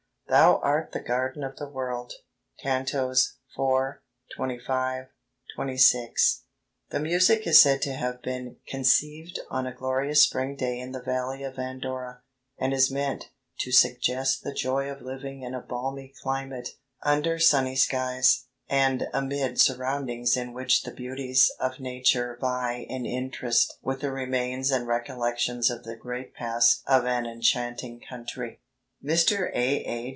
"Thou art the garden of the world." (Cantos IV., XXV., XXVI.) The music is said to have been "conceived on a glorious spring day in the Valley of Andora," and is meant "to suggest the Joy of Living in a balmy climate, under sunny skies, and amid surroundings in which the beauties of nature vie in interest with the remains and recollections of the great past of an enchanting country." Mr. A. A.